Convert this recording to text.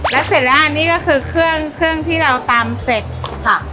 แล้วเสร็จแล้วอันนี้ก็คือเครื่องเครื่องที่เราตำเสร็จค่ะ